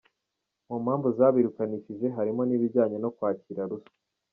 Mu mpamvu zabirukanishije, harimo n’ibijyanye no kwakira ruswa.